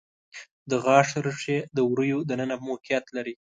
د غاښ ریښې د وریو د ننه موقعیت لري.